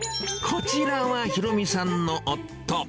こちらは裕美さんの夫。